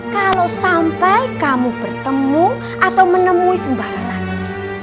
kalau sampai kamu bertemu atau menemui sembarang lagi